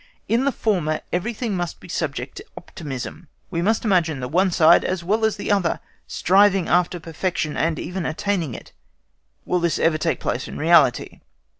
In the former, everything must be subject to optimism, and we must imagine the one side as well as the other striving after perfection and even attaining it. Will this ever take place in reality?